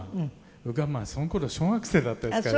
僕はまあその頃小学生だったですから。